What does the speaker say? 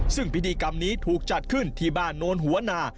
ซึ่งพิธีกรรมนี้ถูกจัดขึ้นที่บ้านโนนหัวหนา